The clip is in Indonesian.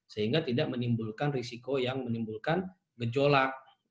sehingga tidak menimbulkan risiko yang menimbulkan gejolak